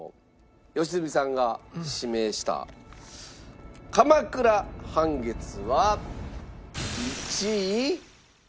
良純さんが指名した鎌倉半月は１位。